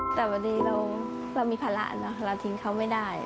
แต่พอดีเรามีภาระเนอะเราทิ้งเขาไม่ได้